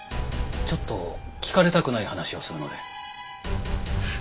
ちょっと聞かれたくない話をするので。